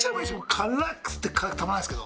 辛くて辛くてたまらないんですけど。